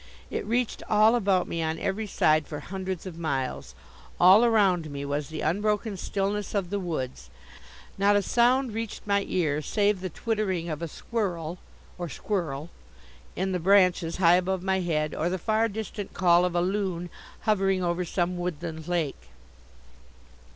It reached all about me on every side for hundreds of miles. All around me was the unbroken stillness of the woods. Not a sound reached my ear save the twittering of a squirrel, or squirl, in the branches high above my head or the far distant call of a loon hovering over some woodland lake.